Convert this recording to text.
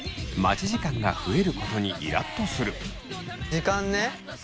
時間ね。